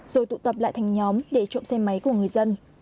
rồi tụ tập lại thành nhóm để trộm xe máy của người dân